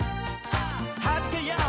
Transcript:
「はじけよう！